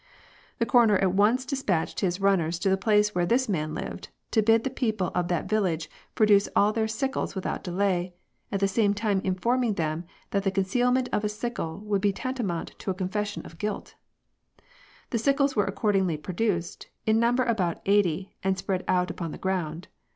The coroner at once despatched his runners to the place where this man lived, to bid the people of that village produce all their sickles without delay, at the same time informing them that the concealment of a sickle would be tantamount to a con fession of guilt The sickles were accordingly produced, in number about eighty, and spread out upon the ground.